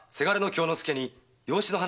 京之介に養子の話？